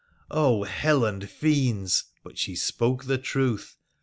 Oh ! hell and fiends ! But she spoke the truth.